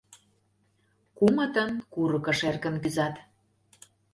Кумытын курыкыш эркын кӱзат.